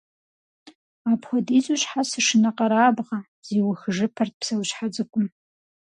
Апхуэдизу щхьэ сышынэкъэрабгъэ? - зиухыжыпэрт псэущхьэ цӀыкӀум.